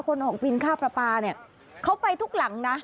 คนออกบินค่าปลาปาเขาไปทุกหลังนะ